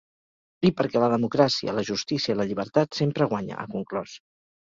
I perquè la democràcia, la justícia i la llibertat sempre guanya, ha conclòs.